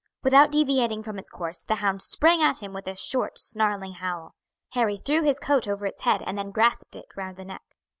Without deviating from its course the hound sprang at him with a short snarling howl. Harry threw his coat over its head and then grasped it round the neck.